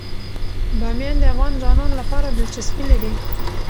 بامیان د افغان ځوانانو لپاره دلچسپي لري.